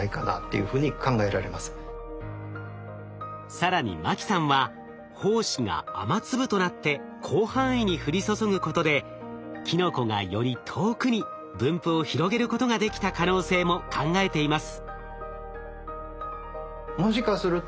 更に牧さんは胞子が雨粒となって広範囲に降り注ぐことでキノコがより遠くに分布を広げることができた可能性も考えています。